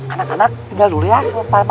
anak anak tinggal dulu ya pak tante